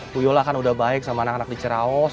puyo lah kan udah baik sama anak anak di ceraos